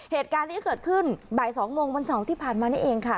เหตุการณ์นี้เกิดขึ้นบ่าย๒โมงวันเสาร์ที่ผ่านมานี่เองค่ะ